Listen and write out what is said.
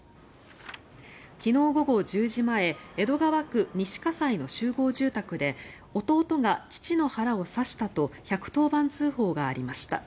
昨日午後１０時前江戸川区西葛西の集合住宅で弟が父の腹を刺したと１１０番通報がありました。